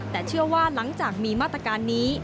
แต่เชื่อว่าหลังจากมีมาตรการนี้